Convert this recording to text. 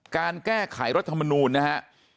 การแก้ไขรถมนุนนะฮะ